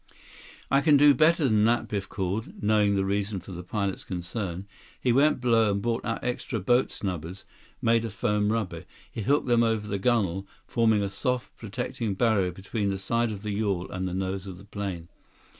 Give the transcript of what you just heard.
172 "I can do better than that," Biff called, knowing the reason for the pilot's concern. He went below and brought out extra boat snubbers, made of foam rubber. He hooked them over the gunnel, forming a soft protecting barrier between the side of the yawl and the nose of the plane.